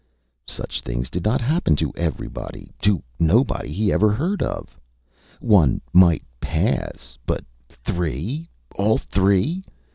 Such things did not happen to everybody to nobody he ever heard of. One might pass. But three! All three.